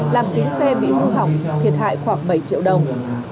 làm kính xe bị hư hỏng thiệt hại khoảng bảy triệu đồng